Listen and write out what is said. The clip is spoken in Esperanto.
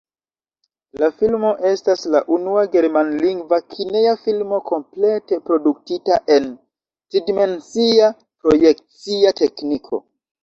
La filmo estas la unua germanlingva kineja filmo komplete produktita en tridimensia projekcia tekniko.